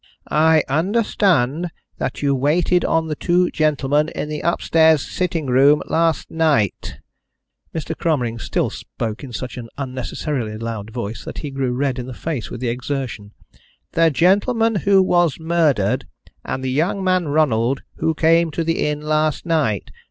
"I understand that you waited on the two gentlemen in the upstairs sitting room last night" Mr. Cromering still spoke in such an unnecessarily loud voice that he grew red in the face with the exertion "the gentleman who was murdered, and the young man Ronald, who came to the inn last night.